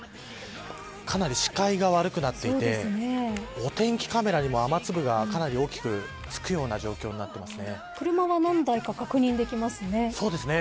かなり視界が悪くなっていてお天気カメラにも雨粒がかなり大きくつくような車は何台か確認できますね。